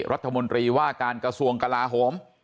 รัฐมนตรีว่าการกระทรวงกลาโหม